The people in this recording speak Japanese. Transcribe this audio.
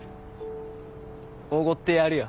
おごってやるよ。